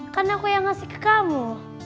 karena aku yang ngasih ke kamu